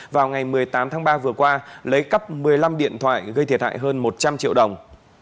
vào ngày một mươi tám tháng ba vừa qua lấy cắp một mươi năm điện thoại gây thiệt hại hơn một trăm linh triệu đồng